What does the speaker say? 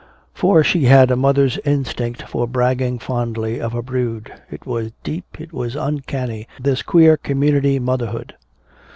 For she had a mother's instinct for bragging fondly of her brood. It was deep, it was uncanny, this queer community motherhood.